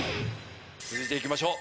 続いていきましょう！